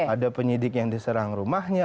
ada penyidik yang diserang rumahnya